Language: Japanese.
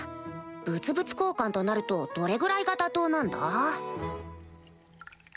物々交換となるとどれぐらいが妥当なんだ？